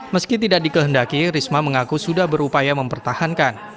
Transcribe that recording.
meski tidak dikehendaki risma mengaku sudah berupaya mempertahankan